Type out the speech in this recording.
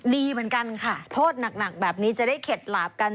ดีเหมือนกันค่ะโทษหนักแบบนี้จะได้เข็ดหลาบกัน